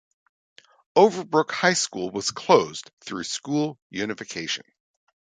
Overbrook High School was closed through school unification.